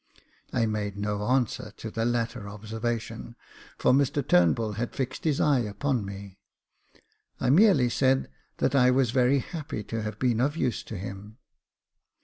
I made no answer to the latter observation, for Mr Turnbull had fixed his eye upon me : I merely said that I was very happy to have been of use to him.